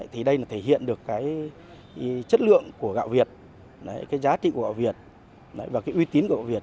thì đây là thể hiện được cái chất lượng của gạo việt cái giá trị của gạo việt và cái uy tín của gạo việt